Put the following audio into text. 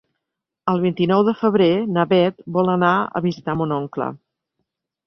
El vint-i-nou de febrer na Beth vol anar a visitar mon oncle.